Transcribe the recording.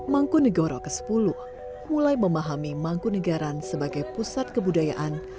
mangkunagara ke sepuluh mulai memahami mangkunagaran sebagai pusat kebudayaan